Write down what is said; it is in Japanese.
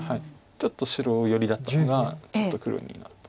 ちょっと白寄りだったのがちょっと黒に。